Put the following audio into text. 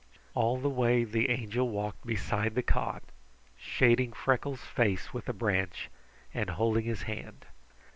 All the way the Angel walked beside the cot, shading Freckles' face with a branch, and holding his hand.